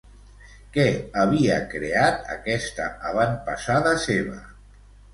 Què havia creat aquesta avantpassada seva?